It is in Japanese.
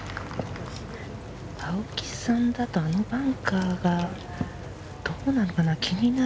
青木さんだと、あのバンカーがどうなのかな？